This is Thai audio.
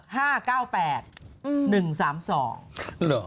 เหรอ